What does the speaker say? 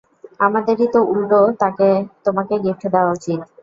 আমাদেরই তো উল্টো তোমাকে গিফট দেয়া উচিৎ।